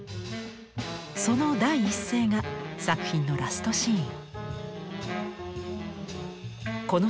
その第一声が作品のラストシーン。